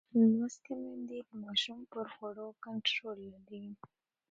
لوستې میندې د ماشوم پر خوړو کنټرول لري.